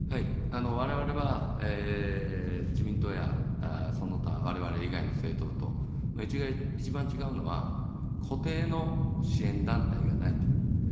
われわれは、自民党やその他われわれ以外の政党と一番違うのは固定の支援団体がないと。